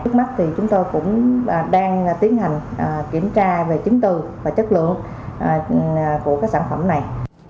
trước mắt thì chúng tôi cũng đang tiến hành kiểm tra về chứng từ và chất lượng của các sản phẩm này